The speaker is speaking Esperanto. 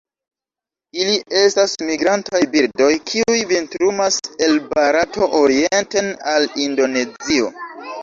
Ili estas migrantaj birdoj, kiuj vintrumas el Barato orienten al Indonezio.